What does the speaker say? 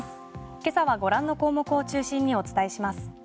今朝はご覧の項目を中心にお伝えします。